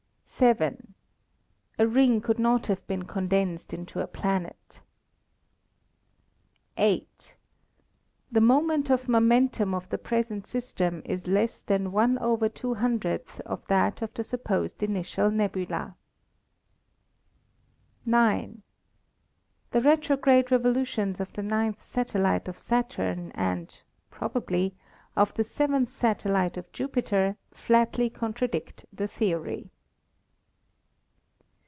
"7. A ring could not have been condensed into a planet. "8. The moment of momentum of the present system is less than 1 / 200 of that of the supposed initial nebula. "9. The retrograde revolutions of the ninth satellite of Saturn and (probably) of the seventh satellite of Jupiter flatly contradict the theory."